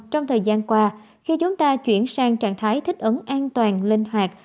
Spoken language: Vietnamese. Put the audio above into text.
trong thời gian qua khi chúng ta chuyển sang trạng thái thích ứng an toàn linh hoạt